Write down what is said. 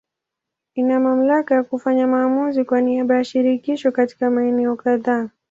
Ina mamlaka ya kufanya maamuzi kwa niaba ya Shirikisho katika maeneo kadhaa.